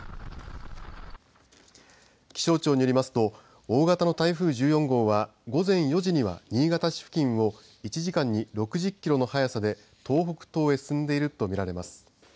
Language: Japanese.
気象庁によりますと大型の台風１４号は午前４時には新潟市付近を１時間に６０キロの速さで東北東へ進んでいるとみられます。